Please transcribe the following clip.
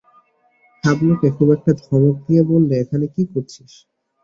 হাবলুকে খুব একটা ধমক দিয়ে বললে, এখানে কী করছিস?